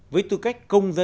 với tư cách công nghiệp